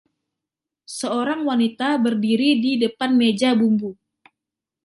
Seorang wanita berdiri di depan meja bumbu.